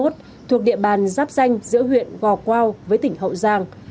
thuộc địa bàn giáp danh giữa huyện gò quao với tỉnh hậu giang